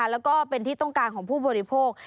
แล้วก็เป็นที่ต้องการของผู้บริโภค